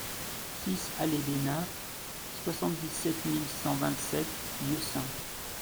six allée des Nymphes, soixante-dix-sept mille cent vingt-sept Lieusaint